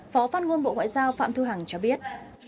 phó phát ngôn bộ ngoại giao phạm thu hằng cho biết